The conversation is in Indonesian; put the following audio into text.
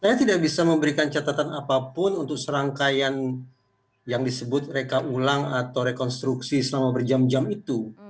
saya tidak bisa memberikan catatan apapun untuk serangkaian yang disebut reka ulang atau rekonstruksi selama berjam jam itu